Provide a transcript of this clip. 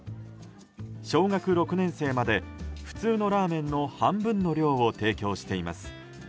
小学６年生まで普通のラーメンの半分の量を提供しています。